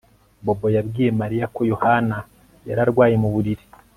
Bobo yabwiye Mariya ko Yohana yari arwaye mu buriri